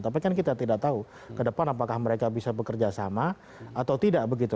tapi kan kita tidak tahu ke depan apakah mereka bisa bekerja sama atau tidak begitu